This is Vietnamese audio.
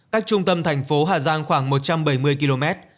cách trung tâm thành phố hà giang khoảng một trăm bảy mươi km